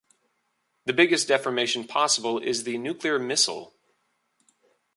The biggest deformation possible is the nuclear missile.